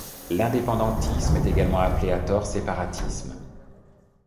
L'indépendantisme est également appelé à tort séparatisme.